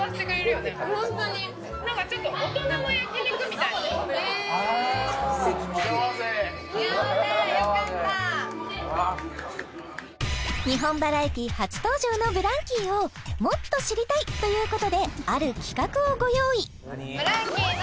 よかった日本バラエティー初登場のＢＬＡＮＫ２Ｙをもっと知りたい！ということである企画をご用意